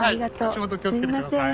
足元気をつけてください。